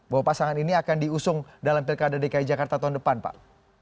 bahwa pasangan ini akan diusung dalam pilkada dki jakarta tahun depan pak